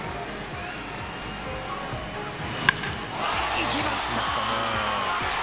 行きました。